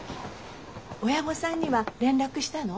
親御さんには連絡したの？